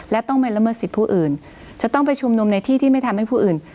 และต้องไปละเมิดสิทธิ์ผู้อื่นจะต้องไปชุมนุมในที่ที่ไม่ทำให้ผู้อื่น